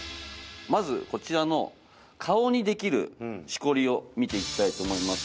まずこちらの顔にできるシコリを見ていきたいと思います